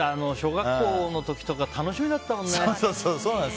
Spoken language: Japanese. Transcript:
小学校の時とか楽しみだったもんね。